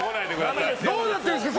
どうなってるんですか。